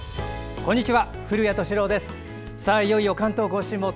こんにちは。